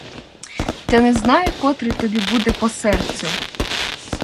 Та не знаю, котрий тобі буде по серцю.